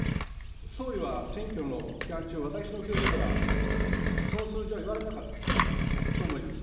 総理は選挙の期間中、私の記憶では、その数字は言われなかったと思います。